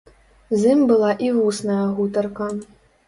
З ім была і вусная гутарка.